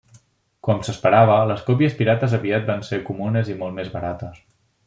Com s'esperava, les còpies pirates aviat van ser comunes i molt més barates.